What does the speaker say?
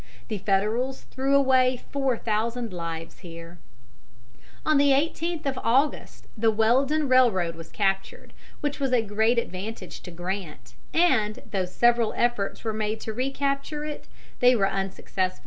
The Federals threw away four thousand lives here. On the 18th of August the Weldon Railroad was captured, which was a great advantage to Grant, and, though several efforts were made to recapture it, they were unsuccessful.